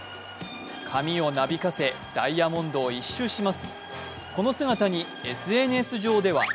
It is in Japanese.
髪をなびかせダイヤモンドを１周します。